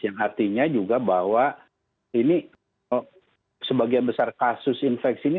yang artinya juga bahwa ini sebagian besar kasus infeksi ini